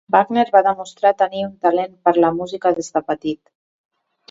Wageenar va demostrar tenir un talent per a la música des de petit.